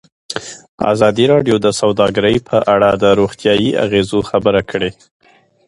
ازادي راډیو د سوداګري په اړه د روغتیایي اغېزو خبره کړې.